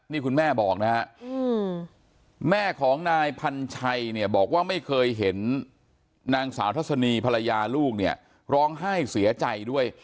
นี่คุณแม่บอกนะฮะแม่ของนายพันชัยเนี่ยบอกว่าไม่เคยเห็นนางสาวทัศนีภรรยาลูกเนี่ยร้องไห้เสียใจด้วย